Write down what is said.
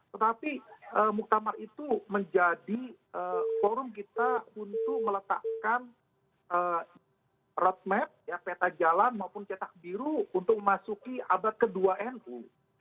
tetapi muktamar itu menjadi forum kita untuk meletakkan roadmap peta jalan maupun cetak biru untuk memasuki abad kedua nu